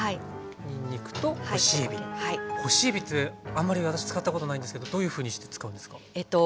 干しえびってあんまり私使ったことないんですけどどういうふうにして使うんですか？